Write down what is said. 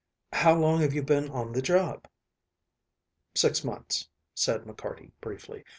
"How long have you been on the job?" "Six months," said McCarty briefly.